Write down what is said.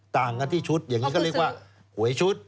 ต่างกันที่ชุดอย่างนี้ก็เรียกว่าหวยชุด